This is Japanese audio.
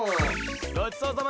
ごちそうさま。